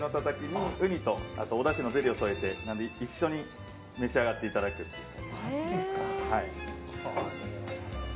ウニとおだしのゼリーを添えて一緒に召し上がっていただくという。